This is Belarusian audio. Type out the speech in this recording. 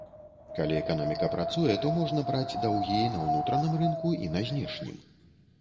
Калі эканоміка працуе, то можна браць даўгі і на ўнутраным рынку, і на знешнім.